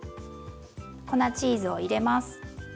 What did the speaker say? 粉チーズを入れます。